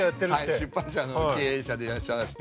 出版社の経営者でいらっしゃいまして。